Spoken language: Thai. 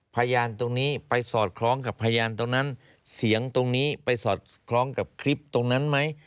พยานตรงนี้ไปสอดคล้องกับพยานตรงนั้นเสียงตรงนี้ไปสอดคล้องกับคลิปตรงนั้นไหม